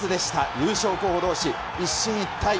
優勝候補どうし、一進一退。